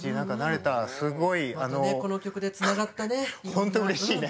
本当うれしいね。